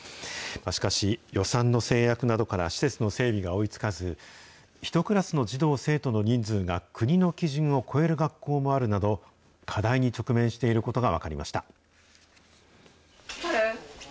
しかし、予算の制約などから施設の整備が追いつかず、１クラスの児童・生徒の人数が国の基準を超える学校もあるなど、課題に直面していることが分かりました。